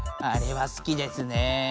あれは好きですね。